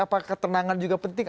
apakah ketenangan juga penting